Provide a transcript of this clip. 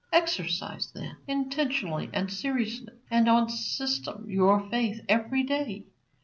Exercise, then, intentionally and seriously and on system your faith every day.